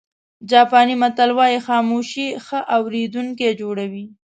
جاپاني متل وایي خاموشي ښه اورېدونکی جوړوي.